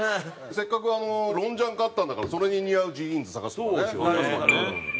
せっかくロンジャン買ったんだからそれに似合うジーンズ探すとかね。